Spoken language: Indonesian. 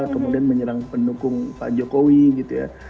kemudian menyerang pendukung pak jokowi gitu ya